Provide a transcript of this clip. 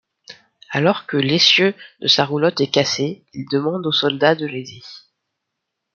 Alors que l'essieu de sa roulotte est cassé, il demande aux soldats de l'aider.